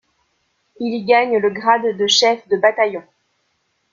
Il y gagne le grade de chef de bataillon.